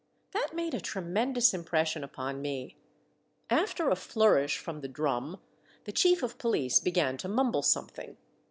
That made a tremendous impression upon me. After a flourish from the drum, the chief of police began to mumble something.